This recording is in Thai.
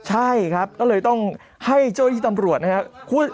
ใช่ครับก็เลยต้องให้เจ้าที่ตำรวจนะครับ